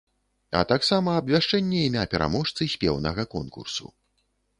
А таксама абвяшчэнне імя пераможцы спеўнага конкурсу.